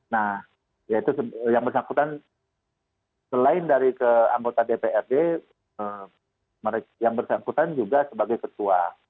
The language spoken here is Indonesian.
nah yaitu yang bersangkutan selain dari ke anggota dprd yang bersangkutan juga sebagai ketua